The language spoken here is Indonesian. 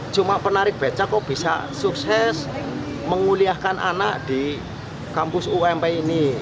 cuma penarik beca kok bisa sukses menguliahkan anak di kampus ump ini